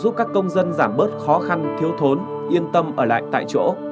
giúp các công dân giảm bớt khó khăn thiếu thốn yên tâm ở lại tại chỗ